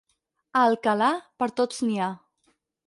A Alcalà, per tots n'hi ha.